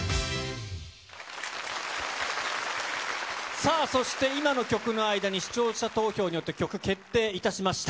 さあ、今の曲の間に視聴者投票によって曲、決定いたしました。